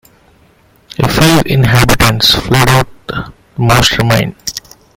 A few inhabitants fled but most remained.